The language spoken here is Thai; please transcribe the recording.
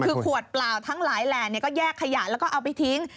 คือขวดเปล่าทั้งหลายแหล่ก็แยกขยะแล้วก็เอาไปทิ้ง